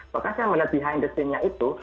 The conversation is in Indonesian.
maka saya melihat behind the scene nya itu